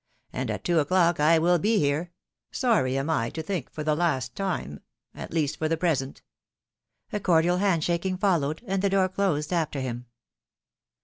.... and at two o'clock I will be here. ... Sorry am I to think for the last time .... at least for the present." A cordial hand shaking followed, and the door closed after him.